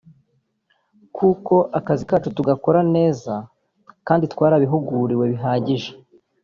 kuko akazi kacu tugakora neza kandi twarabihuguriwe bihagije